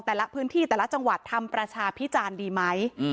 แต่ละพื้นที่แต่ละจังหวัดทำประชาพิจารณ์ดีไหม